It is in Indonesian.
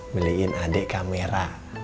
beliin adik kamera